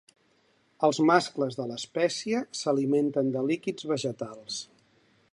Els mascles de l’espècie s’alimenten de líquids vegetals.